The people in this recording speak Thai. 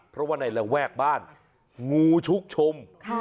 เพราะว่าในระแวกบ้านงูชุกชม